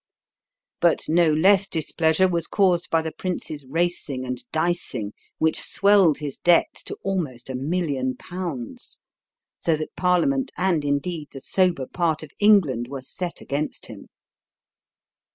But no less displeasure was caused by the prince's racing and dicing, which swelled his debts to almost a million pounds, so that Parliament and, indeed, the sober part of England were set against him.